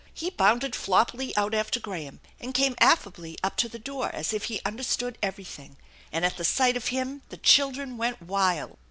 He bounded floppily out after Graham and came affably up to the door as if he understood everything ; and at sight of him the children went wild.